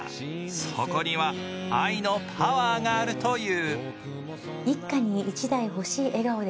そこには愛のパワーがあるという。